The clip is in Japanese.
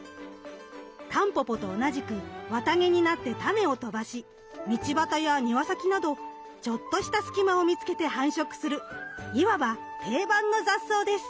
タンポポと同じく綿毛になって種を飛ばし道端や庭先などちょっとした隙間を見つけて繁殖するいわば定番の雑草です。